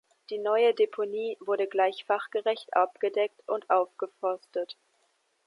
Die neue Deponie wurde gleich fachgerecht abgedeckt und aufgeforstet.